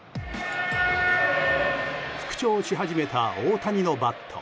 復調し始めた大谷のバット。